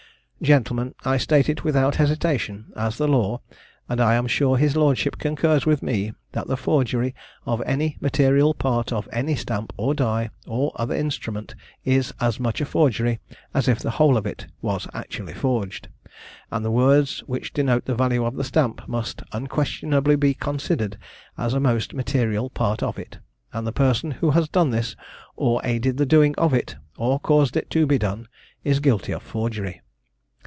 Gentlemen, I state it without hesitation, as the law, and I am sure his lordship concurs with me, that the forgery of any material part of any stamp or die, or other instrument, is as much a forgery, as if the whole of it was actually forged: and the words which denote the value of the stamp, must unquestionably be considered as a most material part of it, and the person who has done this, or aided the doing of it, or caused it to be done, is guilty of forgery.